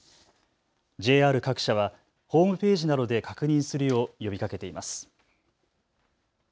ＪＲ各社はホームページなどで確認するよう呼びかけています。